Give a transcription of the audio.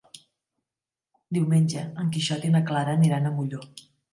Diumenge en Quixot i na Clara aniran a Molló.